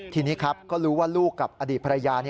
ทีนี้ครับก็รู้ว่าลูกกับอดีตภรรยา